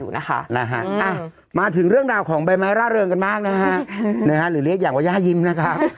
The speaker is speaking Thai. นะคะมาถึงเรื่องดังของใบไม้ล่าเรืองกันมากน่ะฮะหรือเรียกอย่างวัลยายิ้มค่ะ